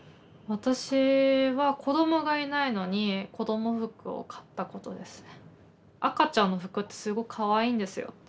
私は子どもがいないのに子ども服を買ったことですね。